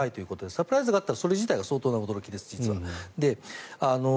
サプライズがあったらそれ自体が驚きですし。